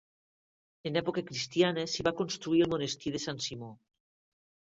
En època cristiana s'hi va construir el monestir de Sant Simó.